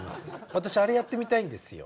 私あれやってみたいんですよ。